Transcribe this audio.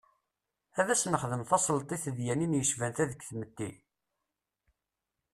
Ad as-nexdem tasleḍt i tedyanin yecban ta deg tmetti?